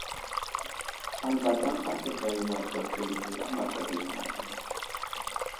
Anzakaŋ asləva yo adzav bəlvi a matavo yaŋ age.